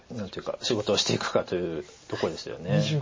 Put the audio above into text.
仕事をしていくかというとこですよね。